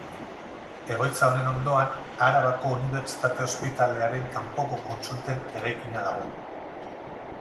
Egoitza honen ondoan Arabako Unibertsitate Ospitalearen Kanpoko Kontsulten eraikina dago.